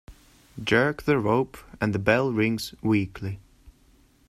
Jerk the rope and the bell rings weakly.